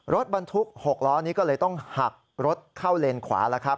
รถบรรทุก๖ล้อนี้ก็เลยต้องหักรถเข้าเลนส์ขวา